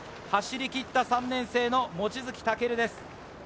走りきった３年生の望月武です。